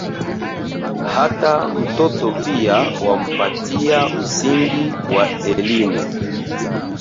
"Hata mtoto pia wampatia msingi wa elmu"